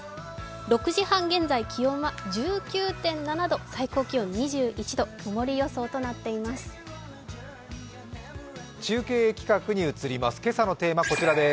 ６時半現在、気温は１９．７度、最高気温２１度、曇り予想となっています。